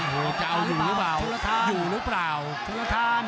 โหจะเอาอยู่รึเปล่าอยู่รึเปล่า